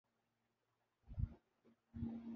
Lahore Islamabad motorway بنتی ہے۔